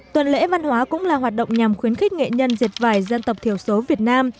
tuần lễ văn hóa cũng là hoạt động nhằm khuyến khích nghệ nhân diệt vải dân tộc thiểu số việt nam